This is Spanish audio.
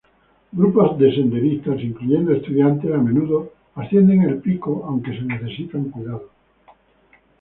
Grupos de senderistas, incluyendo estudiantes, a menudo ascienden al pico aunque se necesitan cuidados.